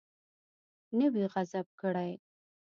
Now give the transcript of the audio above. نه وي غصب کړی.